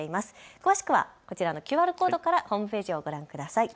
詳しくはこちらのＱＲコードからホームページをご覧ください。